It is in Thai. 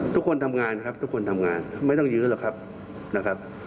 ทุกคนทำงานครับทุกคนทำงานไม่ต้องยื้อหรอกครับนะครับ